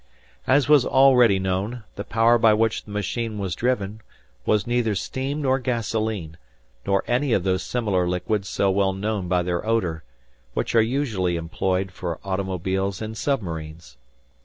As was already known, the power by which the machine was driven, was neither steam nor gasoline, nor any of those similar liquids so well known by their odor, which are usually employed for automobiles and submarines.